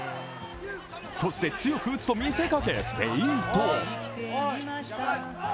そして強く打つと見せかけ、フェイント。